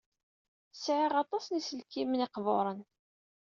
Sɛiɣ aṭas n yiselkimen iqburen.